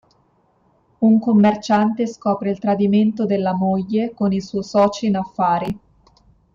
Un commerciante scopre il tradimento della moglie con il suo socio in affari.